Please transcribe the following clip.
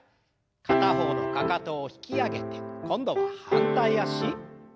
片方のかかとを引き上げて今度は反対脚。